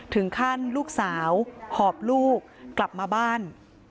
ถึงขั้นลูกสาวหอบลูกกลับมาบ้าน